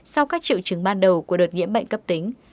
sau các triệu chứng ban đầu của đợt nhiễm bệnh cấp tính